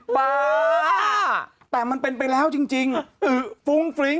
ป่าแต่มันเป็นไปแล้วจริงอึฟุ้งฟริ้ง